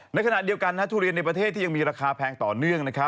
ในขณะเดียวกันทุเรียนในประเทศที่ยังมีราคาแพงต่อเนื่อง